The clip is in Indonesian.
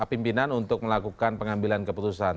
pimpinan untuk melakukan pengambilan keputusan